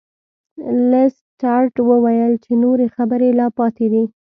لیسټرډ وویل چې نورې خبرې لا پاتې دي.